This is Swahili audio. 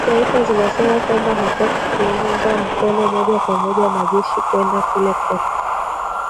taifa zinasema kwamba hataki kuunga mkono moja kwa moja majeshi kwenda kule cote